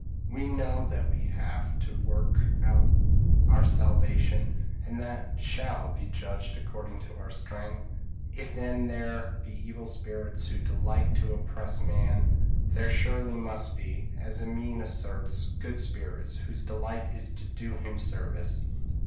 We know that we have to work out our salvation, and that we shall be judged according to our strength; if then there be evil spirits who delight to oppress man, there surely must be, as Amine asserts, good spirits, whose delight is to do him service.